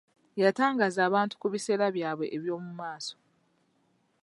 Yatangaaza abantu ku biseera byabwe eby'omumaaso.